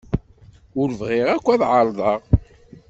Ur bɣiɣ akk ad ɛerḍeɣ.